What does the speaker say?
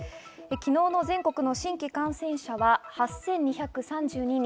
昨日の全国の新規感染者は８２３２人。